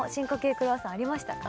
クロワッサンありましたか？